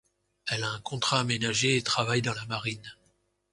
Elle a un contrat aménagé et travaille dans la marine.